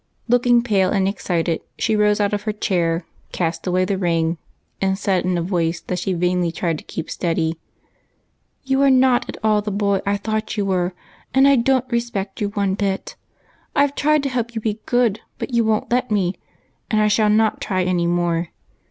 Looking pale and excited, she rose out of her chair, cast away the ring, and said in a voice that she vainly tried to keep steady, —" You are not at all the boy I thought you were, and I don't respect you one bit. I 've tried to help you be good, but you won't let me, and I shall not try any more.